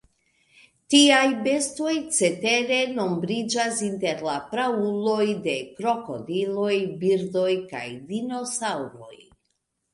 Tiaj bestoj cetere nombriĝas inter la prauloj de krokodiloj, birdoj kaj dinosaŭroj.